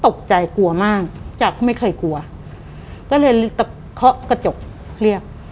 หวังแกก็กลัวมากจากไม่เคยกลัวก็เลยกระโจ๊กเรียก